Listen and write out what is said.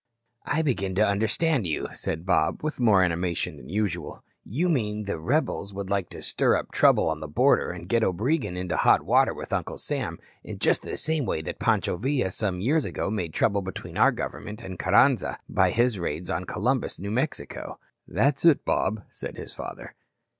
"I begin to understand you," said Bob, with more animation than usual. "You mean the rebels would like to stir up trouble on the border and get Obregon into hot water with Uncle Sam in just the same way that Pancho Villa some years ago made trouble between our government and Carranza by his raid on Columbus, New Mexico?" "That's it, Bob," said his father.